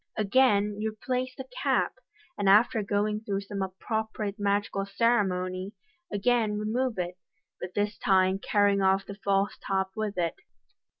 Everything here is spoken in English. Again you replace the cap j and after going through some appropriate magical ceremony, again remove it, but this time carrying off the false top with it.